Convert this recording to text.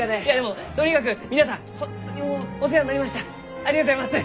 ありがとうございます！